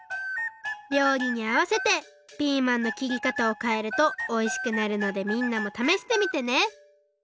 料理にあわせてピーマンの切り方をかえるとおいしくなるのでみんなもためしてみてね！